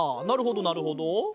なるほどなるほど。